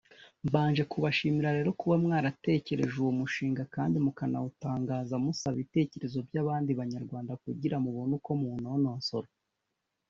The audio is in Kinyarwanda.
Mbanje kubashimira rero kuba mwaratekereje uwo mushinga kandi mukanawutangaza musaba ibitekerezo by’abandi banyarwanda kugirango mubone uko mwawunonosora